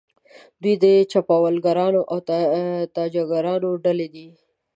دوی د چپاولګرانو او تاراجګرانو ډلې دي.